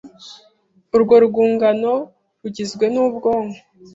Urwo rwungano rugizwe n’ubwonko